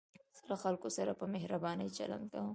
زه له خلکو سره په مهربانۍ چلند کوم.